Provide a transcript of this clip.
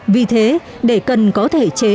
vì thế để cần có thể chế